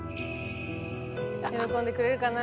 喜んでくれるかなあ。